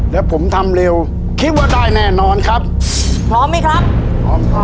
แล้วผมทำเร็วคิดว่าได้แน่นอนครับพร้อมไหมครับพร้อมครับ